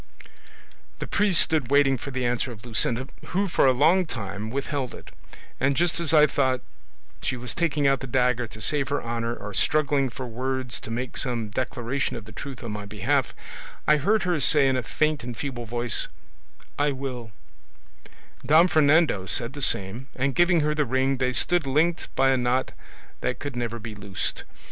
"The priest stood waiting for the answer of Luscinda, who for a long time withheld it; and just as I thought she was taking out the dagger to save her honour, or struggling for words to make some declaration of the truth on my behalf, I heard her say in a faint and feeble voice, 'I will:' Don Fernando said the same, and giving her the ring they stood linked by a knot that could never be loosed.